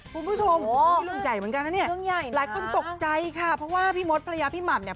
คุณผู้ชมนี่เรื่องใหญ่เหมือนกันนะเนี่ยหลายคนตกใจค่ะเพราะว่าพี่มดภรรยาพี่หม่ำเนี่ย